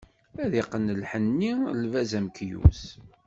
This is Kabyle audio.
Ad yeqqen lḥenni, lbaz amekyus.